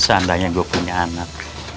seandainya gue punya anak